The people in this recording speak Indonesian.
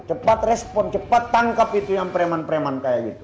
cepat respon cepat tangkap itu yang preman preman kayak gitu